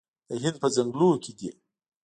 د هند په ځنګلونو کې دي